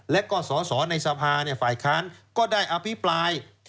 และก็สอสอในสภาฝ่ายค้านก็ได้อภิปราย